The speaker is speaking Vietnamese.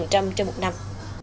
trên một năm